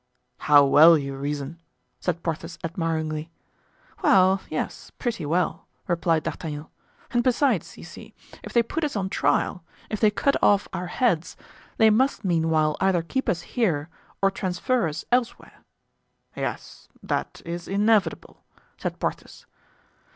"How well you reason!" said Porthos, admiringly. "Well, yes, pretty well," replied D'Artagnan; "and besides, you see, if they put us on trial, if they cut off our heads, they must meanwhile either keep us here or transfer us elsewhere." "Yes, that is inevitable," said Porthos.